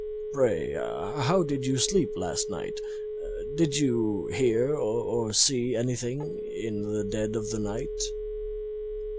Pray, how did you sleep last night? Did you hear or see anything in the dead of the night?"